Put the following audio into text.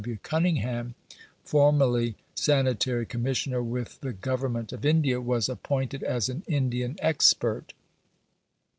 W. Cunningham (formerly Sanitary Commissioner with the Government of India) was appointed as an Indian expert.